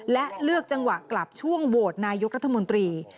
และเลือกจังหวะกลับช่วงโหวตนายกรัฐมนตรี